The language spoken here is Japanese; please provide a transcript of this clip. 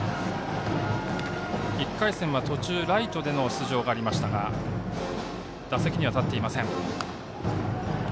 １回戦は、途中ライトでの出場がありましたが打席には立っていません。